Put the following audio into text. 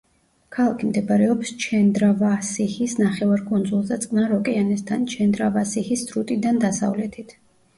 ქალაქი მდებარეობს ჩენდრავასიჰის ნახევარკუნძულზე წყნარ ოკეანესთან, ჩენდრავასიჰის სრუტიდან დასავლეთით.